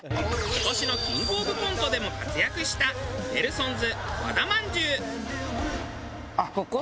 今年のキングオブコントでも活躍したネルソンズ和田まんじゅう。